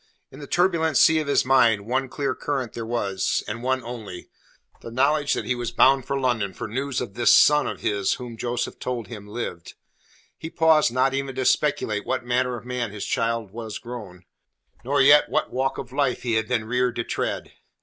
In the turbulent sea of his mind, one clear current there was, and one only the knowledge that he was bound for London for news of this son of his whom Joseph told him lived. He paused not even to speculate what manner of man his child was grown, nor yet what walk of life he had been reared to tread.